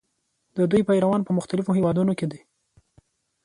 د دوی پیروان په مختلفو هېوادونو کې دي.